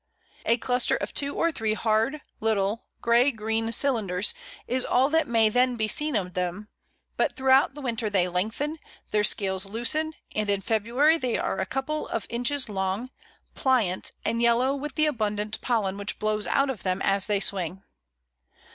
A cluster of two or three hard, little, grey green cylinders is all that may then be seen of them; but throughout the winter they lengthen, their scales loosen, and in February they are a couple of inches long, pliant, and yellow with the abundant pollen which blows out of them as they swing.